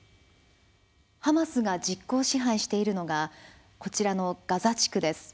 ハマスが実効支配しているのがこちらのガザ地区です。